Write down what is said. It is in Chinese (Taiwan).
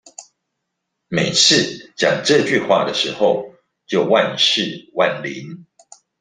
每次講這句話的時候就萬試萬靈